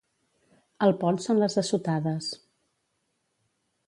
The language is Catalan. Al pont són les assotades.